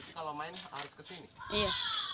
kalau main harus ke sini iya